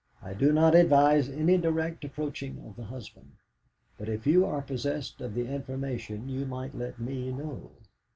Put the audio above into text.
I do not advise any direct approaching of the husband, but if you are possessed of the information you might let me know.